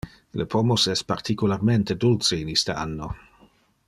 Le pomos es particularmente dulce in iste anno.